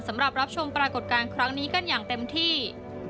รับชมปรากฏการณ์ครั้งนี้กันอย่างเต็มที่